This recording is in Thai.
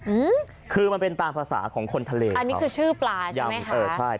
อืมคือมันเป็นตามภาษาของคนทะเลอันนี้คือชื่อปลาใช่ไหมเออใช่